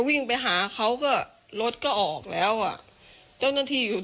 ตกลงไปจากรถไฟได้ยังไงสอบถามแล้วแต่ลูกชายก็ยังเล็กมากอะ